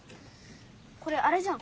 これあれじゃん。